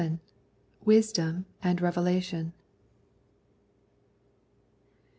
VII. WISDOM AND REVELATION.